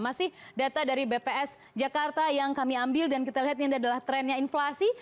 masih data dari bps jakarta yang kami ambil dan kita lihat ini adalah trennya inflasi